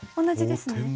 同じですね。